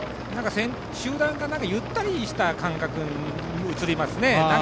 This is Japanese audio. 集団がゆったりした感覚にうつりますね。